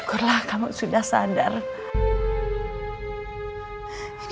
karena aku sudah melahirkan ini